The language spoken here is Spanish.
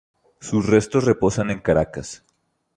Sus restos reposan en Caracas.